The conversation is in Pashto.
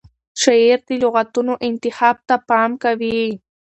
شاعر د لغتونو انتخاب ته پام کوي.